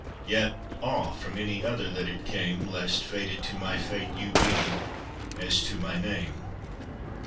Yet ah! from any other that it came, Lest fated to my fate you be, as to my name.